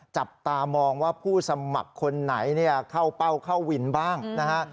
จับตามองว่าผู้สมัครคนไหนเนี่ยเข้าเป้าเข้าวินบ้างนะฮะ